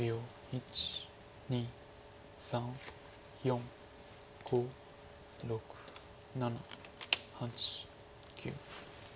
１２３４５６７８９。